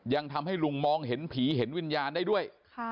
ยังทำให้ลุงมองเห็นผีเห็นวิญญาณได้ด้วย